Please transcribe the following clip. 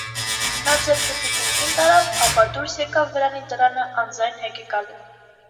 Նա ձեռքը թիկունքին տարավ, ապա դուրս եկավ վրանի դռանը անձայն հեկեկալու: